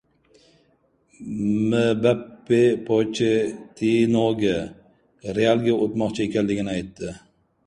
Mbappe Pochettinoga "Real"ga o‘tmoqchi ekanligini aytdi